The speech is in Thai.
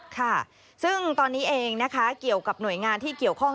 ค่ะซึ่งตอนนี้เองนะคะเกี่ยวกับหน่วยงานที่เกี่ยวข้อง